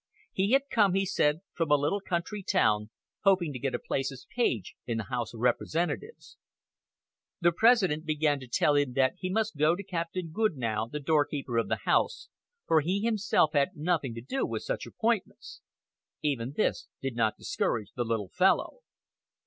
He had come, he said, from a little country town, hoping to get a place as page in the House of Representatives. The President began to tell him that he must go to Captain Goodnow, the doorkeeper of the House, for he himself had nothing to do with such appointments. Even this did not discourage the little fellow.